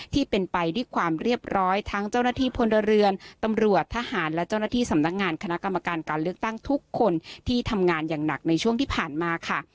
ที่เป็นไปด้วยความเรียบร้อยทั้งเจ้าหน้าที่พลเรือนตำรวจทหารและเจ้าหน้าที่สำนักงานคณะกรรมการการเลือกตั้งทุกคนที่ทำงานอย่างหนักในช่วงที่ผ่านมาค่ะ